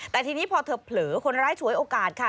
แต่ทีนี้พอเธอเผลอคนร้ายฉวยโอกาสค่ะ